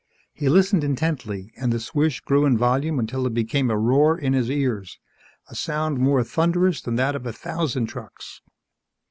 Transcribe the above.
He listened intently and the swish grew in volume until it became a roar in his ears a sound more thunderous than that of a thousand trucks.